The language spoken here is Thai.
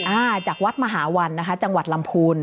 อ่าจากวัดมหาวันนะคะจังหวัดลำพูน